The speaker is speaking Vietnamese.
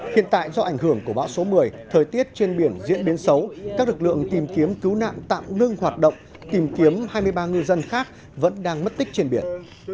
hiện tại do ảnh hưởng của bão số một mươi thời tiết trên biển diễn biến xấu các lực lượng tìm kiếm cứu nạn tạm ngưng hoạt động tìm kiếm hai mươi ba ngư dân khác vẫn đang mất tích trên biển